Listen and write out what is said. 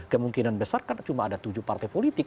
kemungkinan besar kan cuma ada tujuh partai politik